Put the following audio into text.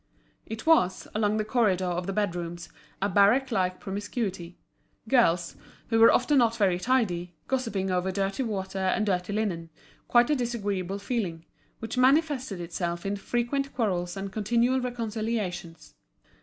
It was, along the corridor of the bed rooms, a barrack like promiscuity—girls, who were often not very tidy, gossiping over dirty water and dirty linen, quite a disagreeable feeling, which manifested itself in frequent quarrels and continual reconciliations.